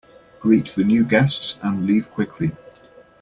Greet the new guests and leave quickly.